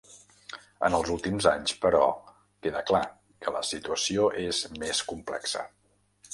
En els últims anys, però, queda clar que la situació és més complexa.